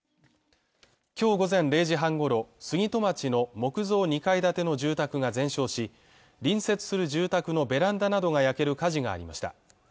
今日午前０時はんごろ杉戸町の木造２階建ての住宅が全焼し隣接する住宅のベランダなどが焼ける火事がありました